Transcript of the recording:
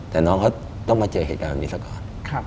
แต่น้องเขาต้องมาเจอเหตุการณ์แบบนี้ซะก่อน